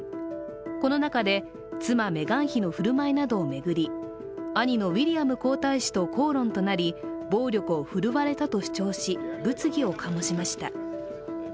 この中で妻・メガン妃の振る舞いなどを巡り、兄のウィリアム皇太子と口論となり暴力を振るわれたと主張し物理を醸しました。